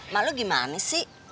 mak lu gimana sih